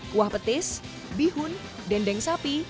kuah petis bihun dendeng sapi